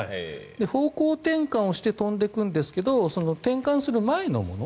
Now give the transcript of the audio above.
方向転換をして飛んでいくんですが転換する前のもの。